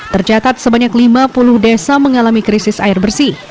tercatat sebanyak lima puluh desa mengalami krisis air bersih